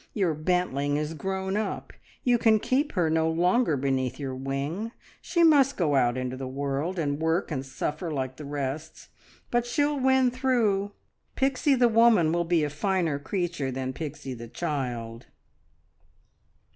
Your bantling is grown up: you can keep her no longer beneath your wing. She must go out into the world, and work and suffer like the rest, but she'll win through. Pixie the woman will be a finer creature than Pixie the child!"